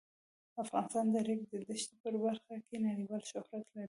افغانستان د د ریګ دښتې په برخه کې نړیوال شهرت لري.